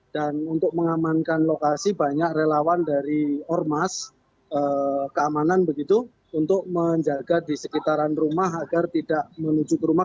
dan untuk mengamankan lokasi banyak relawan dari ormas keamanan begitu untuk menjaga di sekitaran rumah agar tidak menuju ke rumah